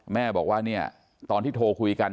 แม่บอกว่าเนี่ยตอนที่โทรคุยกัน